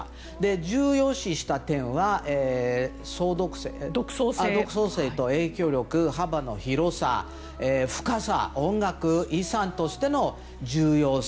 重要視した点は独創性と影響力幅の広さ、深さ音楽遺産としての重要性。